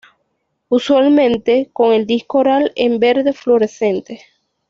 Usualmente con el disco oral en verde fluorescente.